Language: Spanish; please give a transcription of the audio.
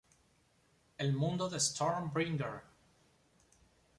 El mundo de Stormbringer.